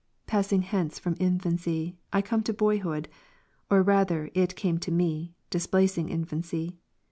Passing hence from infancy, Icome to boyhood, or rather it came to me, displacing infancy.